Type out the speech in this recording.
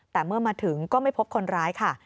แต่เมื่อมาถึงก็ไม่พบคนร้ายค่ะ